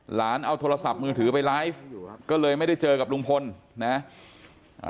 หลานเอาโทรศัพท์มือถือไปไลฟ์ก็เลยไม่ได้เจอกับลุงพลนะอ่า